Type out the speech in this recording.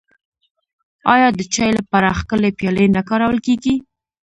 آیا د چای لپاره ښکلې پیالې نه کارول کیږي؟